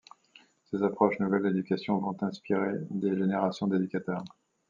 Ses approches nouvelles d'éducation vont inspirer des générations d'éducateurs.